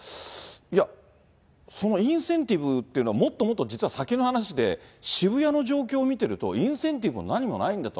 いや、そのインセンティブっていうのは、もっともっと実は先の話で、渋谷の状況を見てると、インセンティブも何もないんだと。